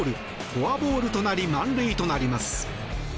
フォアボールとなり満塁となります。